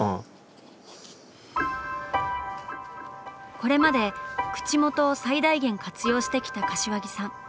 これまで「口元」を最大限活用してきた柏木さん。